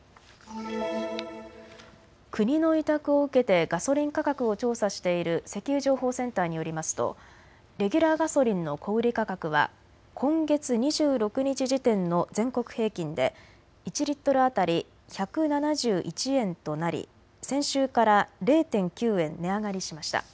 国の委託を受けてガソリン価格を調査している石油情報センターによりますとレギュラーガソリンの小売価格は今月２６日時点の全国平均で１リットル当たり１７１円となり先週から０．９円値上がりしました。